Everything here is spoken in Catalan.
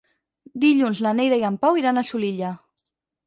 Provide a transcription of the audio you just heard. Dilluns na Neida i en Pau iran a Xulilla.